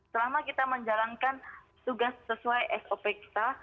selama kita menjalankan tugas sesuai sop kita